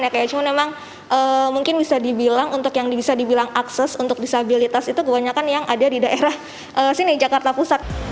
kayak cuma memang mungkin bisa dibilang untuk yang bisa dibilang akses untuk disabilitas itu kebanyakan yang ada di daerah sini jakarta pusat